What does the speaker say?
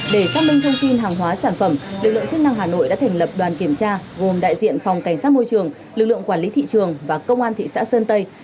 để xác minh thông tin hàng hóa sản phẩm lực lượng chức năng hà nội đã thành lập đoàn kiểm tra gồm đại diện phòng cảnh sát môi trường lực lượng quản lý thị trường và công an thị xã sơn tây